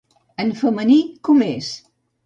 En femení com és?